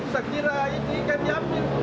saya kira ini ikan diambil